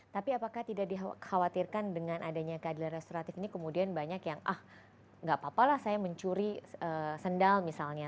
tapi apakah tidak dikhawatirkan dengan adanya keadilan restoratif ini kemudian banyak yang ah nggak apa apalah saya mencuri sendal misalnya